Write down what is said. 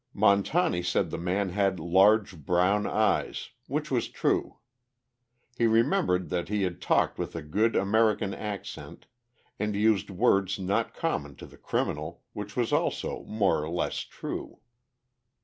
Montani said the man had large brown eyes, which was true. He remembered that he had talked with a good American accent, and used words not common to the criminal, which was also more or less true.